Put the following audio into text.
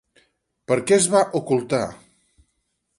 Per què es va ocultar?